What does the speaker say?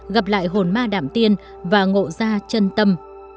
gặp lại hồn ma đảm tiên và ngộ gia chân tâm